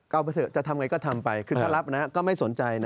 เอาไปเถอะจะทำไงก็ทำไปคือถ้ารับนะก็ไม่สนใจนะ